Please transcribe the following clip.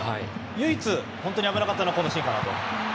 唯一本当に危なかったのはこのシーンかなと。